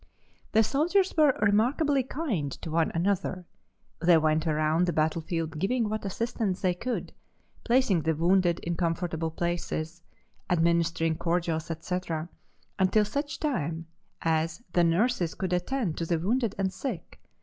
"The soldiers were remarkably kind to one another. They went around the battlefield giving what assistance they could, placing the wounded in comfortable places, administering cordials, etc., until such time as the nurses could attend to the wounded and sick.